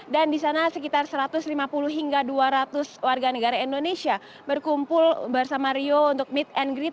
dan di sana sekitar satu ratus lima puluh hingga dua ratus warga negara indonesia berkumpul bersama rio untuk meet and greet